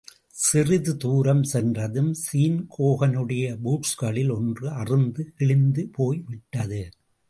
சிறிதுதூரம் சென்றதும் ஸீன் ஹோகனுடைய பூட்ஸ்களில் ஒன்று அறுந்து கிழிந்துபோய்விட்டது.